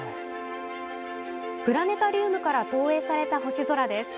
プラネタリウムから投影された星空です。